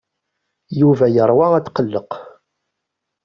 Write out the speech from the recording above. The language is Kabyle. Yuba yeṛwa atqelleq.